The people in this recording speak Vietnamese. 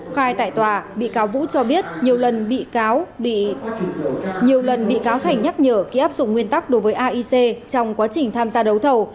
khai tại tòa bị cáo vũ cho biết nhiều lần bị cáo thành nhắc nhở khi áp dụng nguyên tắc đối với aic trong quá trình tham gia đấu thầu